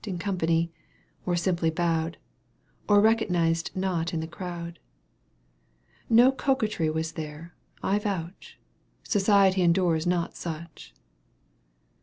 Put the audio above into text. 239 In company, or simply bowed, Or recognized not in the crowd. No coquetry was there, I vouch — Society endures not such